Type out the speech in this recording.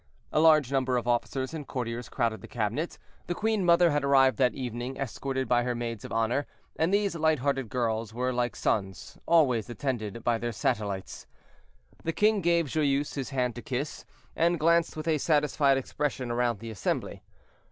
A large number of officers and courtiers crowded the cabinet; the queen mother had arrived that evening, escorted by her maids of honor, and these light hearted girls were, like suns, always attended by their satellites. The king gave Joyeuse his hand to kiss, and glanced with a satisfied expression around the assembly.